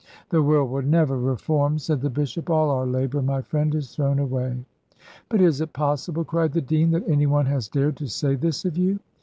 "The world will never reform," said the bishop: "all our labour, my friend, is thrown away." "But is it possible," cried the dean, "that any one has dared to say this of you?"